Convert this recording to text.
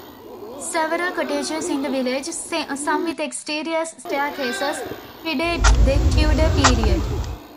Several cottages in the village, some with exterior staircases, predate the Tudor period.